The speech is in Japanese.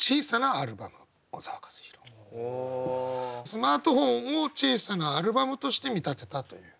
スマートフォンを「小さなアルバム」として見立てたという。